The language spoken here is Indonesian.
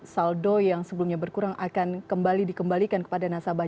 saldo yang sebelumnya berkurang akan kembali dikembalikan kepada nasabah